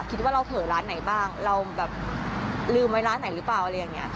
คิดว่าเราเผลอร้านไหนบ้างเราแบบลืมไว้ร้านไหนหรือเปล่าอะไรอย่างนี้